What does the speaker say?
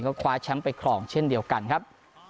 ก็คว้าแชมป์ไปครองเช่นเดียวกันครับ